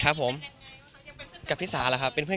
ก็มีไปคุยกับคนที่เป็นคนแต่งเพลงแนวนี้